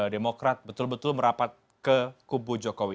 demokrat betul betul merapat ke kubu jokowi